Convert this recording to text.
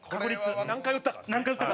蛍原：何回、打ったか。